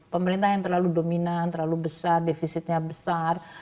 pemerintah yang terlalu dominan terlalu besar defisitnya besar